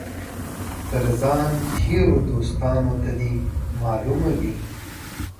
تر ځان تېرو دوستانو ته دي معلومه وي.